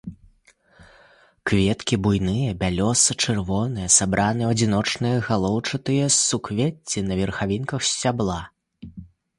Кветкі буйныя, бялёса-чырвоныя, сабраныя ў адзіночныя галоўчатыя суквецці на верхавінках сцябла.